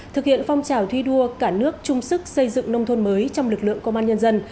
thực hiện phong trào thi đua cả nước chung sức xây dựng nông thôn mới trong lực lượng công an nhân dân